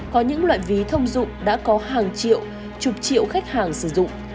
có những loại ví thông dụng đã có hàng triệu chục triệu khách hàng sử dụng